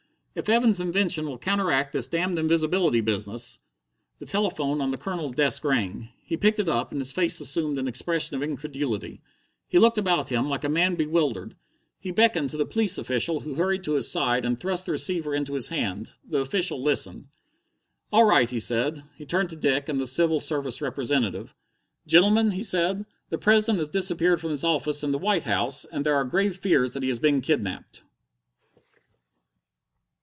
If Evans's invention will counteract this damned invisibility business " The telephone on the Colonel's desk rang. He picked it up, and his face assumed an expression of incredulity. He looked about him, like a man bewildered. He beckoned to the police official, who hurried to his side, and thrust the receiver into his hand. The official listened. "All right," he said. He turned to Dick and the Civil Service representative. "Gentlemen," he said, "the President has disappeared from his office in the White House, and there are grave fears that he has been kidnapped!"